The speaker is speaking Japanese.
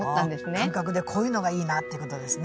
感覚でこういうのがいいなってことですね。